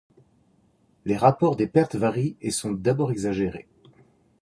Les rapports des pertes varient et sont d'abord exagérés.